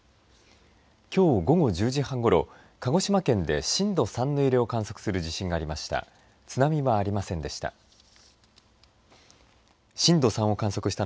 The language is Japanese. きょう午後１０時半ごろ鹿児島県で震度３の揺れを観測する地震がありました。